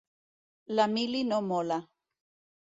La mili no mola.